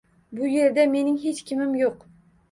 Bu yerda mening hech kimim yoʻq.